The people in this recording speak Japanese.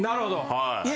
はい。